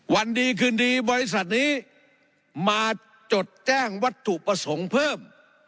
วันดีคืนดีบริษัทนี้มาจดแจ้งวัตถุประสงค์เพิ่ม